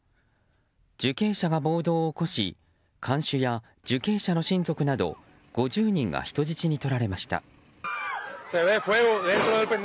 受刑者が暴動を起こし看守や受刑者の親族など５０人が人質にとられました。